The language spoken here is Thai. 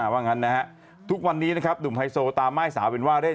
ว่างั้นนะฮะทุกวันนี้นะครับหนุ่มไฮโซตามม่ายสาวเป็นว่าเล่น